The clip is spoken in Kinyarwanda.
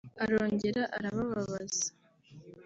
Arongera arababaza